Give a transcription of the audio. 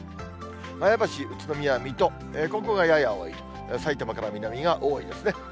前橋、宇都宮、水戸、ここがやや多い、さいたまから南が多いですね。